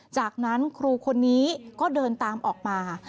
จากนั้นครูคนนี้ก็เดินตามออกมา